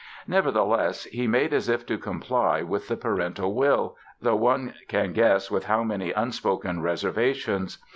Nevertheless, he made as if to comply with the parental will—though one can guess with how many unspoken reservations!